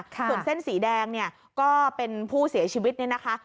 ส่วนเส้นสีแดงเนี่ยก็เป็นผู้เสียชีวิตเนี่ยนะคะ